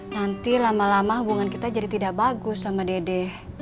nanti lama lama hubungan kita jadi tidak bagus sama dede